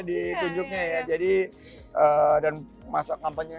di tunjuknya ya jadi dan masyarakatnya